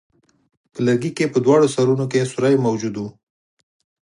په لرګي کې په دواړو سرونو کې سوری موجود وو.